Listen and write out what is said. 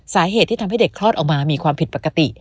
สาเหตุที่ทำให้เด็กคลอดออกมามีความผิดปกติ